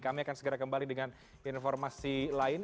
kami akan segera kembali dengan informasi lain